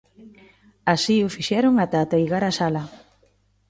Así o fixeron ata ateigar a sala.